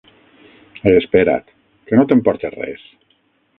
Espera't. Que no t'emportes res?